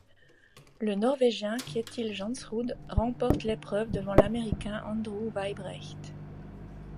Le Norvégien Kjetil Jansrud remporte l'épreuve devant l'Américain Andrew Weibrecht.